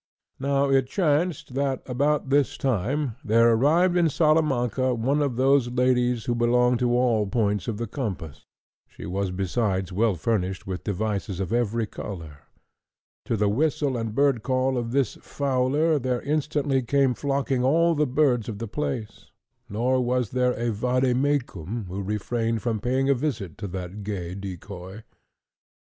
Now it chanced that, about this time, there arrived in Salamanca one of those ladies who belong to all the points of the compass; she was besides well furnished with devices of every colour. To the whistle and bird call of this fowler there instantly came flocking all the birds of the place; nor was there a vade mecum who refrained from paying a visit to that gay decoy.